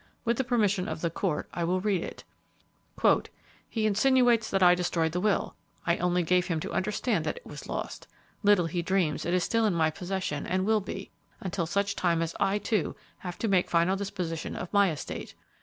With the permission of the court I will read it: "'He insinuates that I destroyed the will; I only gave him to understand that it was lost. Little he dreams it is still in my possession and will be, until such time as I, too, have to make final disposition of my estate!